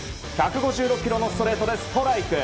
１５６キロのストレートでストライク。